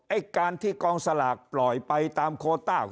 ไอ้การที่กองสลากปล่อยไปตามโคต้า